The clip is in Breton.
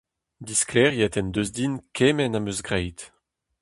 Diskleriet en deus din kement am eus graet.